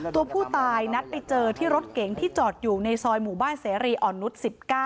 ตัวผู้ตายนัดไปเจอที่รถเก๋งที่จอดอยู่ในซอยหมู่บ้านเสรีอ่อนนุษย์๑๙